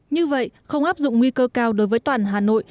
như vậy không áp dụng nguy cơ cao đối với toàn hà nội